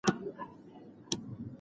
طبیعي لارې تل ګټورې نه دي.